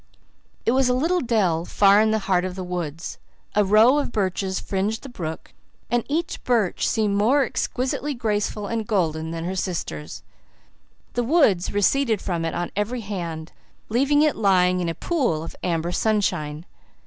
It was a little dell far in the heart of the woods. A row of birches fringed the brook, and each birch seemed more exquisitely graceful and golden than her sisters. The woods receded from it on every hand, leaving it lying in a pool of amber sunshine.